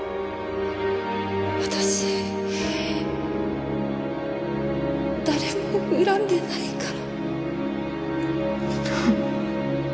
私誰も恨んでないから。